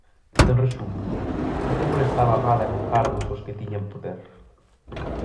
En resumo, por que molestaba Amada en Mugardos aos que tiñan o poder?